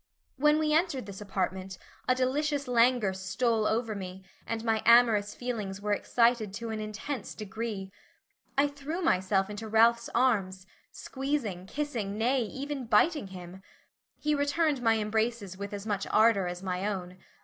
When we entered this apartment a delicious languor stole over me, and my amorous feelings were excited to an intense degree. I threw myself into Ralph's arms, squeezing, kissing, nay even biting him. He returned my embraces with as much ardor as my own.